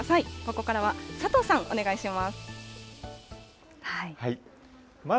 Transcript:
ここからは佐藤さん、お願いしま